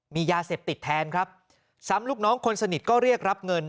มียาเสพติดแทนครับซ้ำลูกน้องคนสนิทก็เรียกรับเงิน